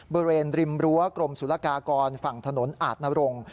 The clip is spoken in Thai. บริเวณริมรั้วกรมศุลกากรฝั่งถนนอาจนรงค์